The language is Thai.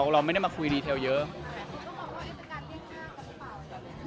เราไม่ได้มาคุยดีเทลเยอะ